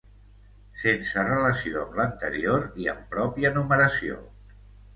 Sense relació amb l'anterior i amb pròpia numeració.